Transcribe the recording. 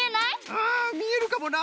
うんみえるかもな。